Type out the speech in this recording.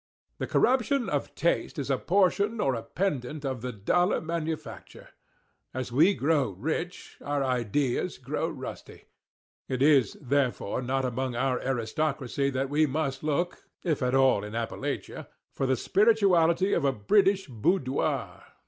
The corruption of taste is a portion or a pendant of the dollar manufacture. As we grow rich, our ideas grow rusty. It is, therefore, not among _our _aristocracy that we must look (if at all, in Appallachia), for the spirituality of a British _boudoir.